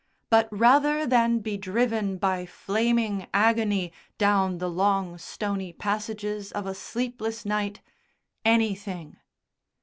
But rather than be driven by flaming agony down the long stony passages of a sleepless night anything.